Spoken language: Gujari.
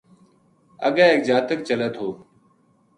اَگے ایک جاتک چلے لگو